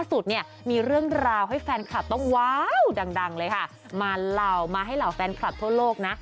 สุดเนี่ยมีเรื่องราวให้แฟนคลับต้องว้าวดังเลยค่ะมาเหล่ามาให้เหล่าแฟนคลับทั่วโลกนะ